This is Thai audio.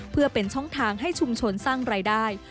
เพื่อเป็นช่องทางให้ชุมชนสร้างรายได้